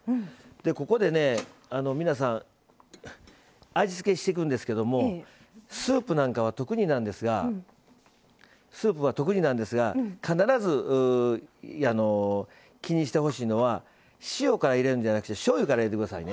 ここで皆さん味付けしていくんですけどスープなんかは特になんですが必ず気にしてほしいのは塩から入れるんじゃなくてしょうゆから入れてくださいね。